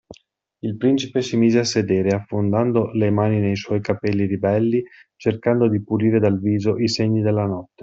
Il principe si mise a sedere, affondando le mani nei suoi capelli ribelli, cercando di pulire dal viso i segni della notte.